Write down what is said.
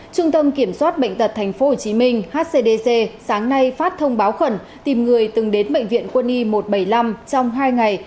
trung tâm kiểm soát bệnh tật tp hcm hcdc sáng nay phát thông báo khẩn tìm người từng đến bệnh viện quân y một trăm bảy mươi năm trong hai ngày